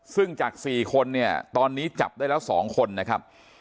ซึ่งจาก๔คนเนี่ยตอนนี้จับได้แล้ว๒คนนะครับ